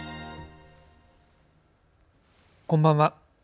こんばんは。